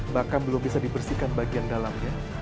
bahkan belum bisa dibersihkan bagian dalamnya